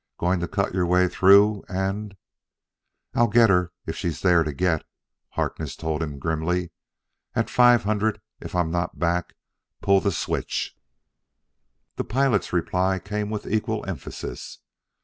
"Going to cut your way through and " "I'll get her if she's there to get," Harkness told him grimly. "At five hundred, if I'm not back, pull the switch." The pilot's reply came with equal emphasis.